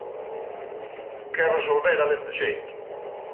Que resolvera deste xeito.